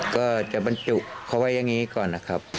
ก็จะบรรจุเขาว่ายังงี้ก่อนครับ